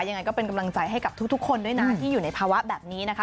ยังไงก็เป็นกำลังใจให้กับทุกคนด้วยนะที่อยู่ในภาวะแบบนี้นะคะ